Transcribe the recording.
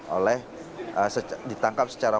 oleh ditangkap secara